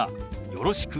「よろしく」。